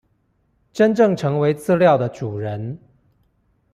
真正成為資料的主人